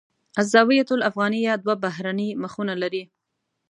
الزاویة الافغانیه دوه بهرنۍ مخونه لري.